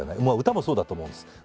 まあ歌もそうだと思うんです。